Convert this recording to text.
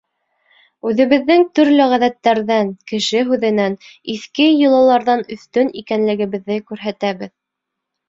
Үҙебеҙҙең төрлө ғәҙәттәрҙән, кеше һүҙенән, иҫке йолаларҙан өҫтөн икәнлегебеҙҙе күрһәтәбеҙ.